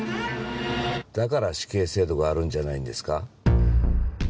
だから死刑制度があるんじゃないんですか？